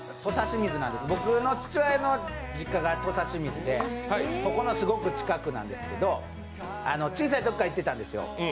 僕の父親の実家が土佐清水でここのすごく近くなんですけど、小さいときから行ってたんですよ。